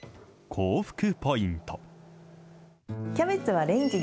口福ポイント。